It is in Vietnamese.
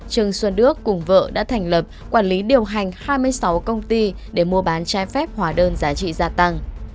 trương xuân đức cùng vợ đã thành lập quản lý điều hành hai mươi sáu công ty để mua bán trái phép hóa đơn giá trị gia tăng